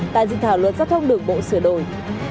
tại dịch thảo luận giao thông đường bộ sửa đổi